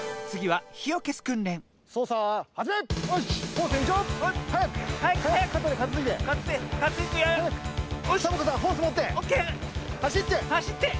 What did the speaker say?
はしって！